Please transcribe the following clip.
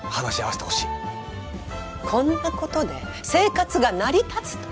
こんな事で生活が成り立つと？